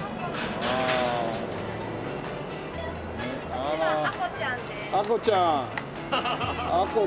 こっちがアコちゃんです。